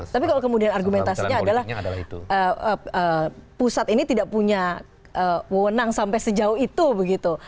tapi kalau kemudian argumentasinya adalah pusat ini tidak punya wewenang sampai sejauh itu begitu